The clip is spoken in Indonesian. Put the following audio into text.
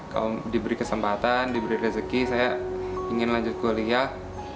kalau diberi kesempatan diberi rezeki saya ingin lanjut kuliah